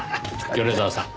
米沢さん。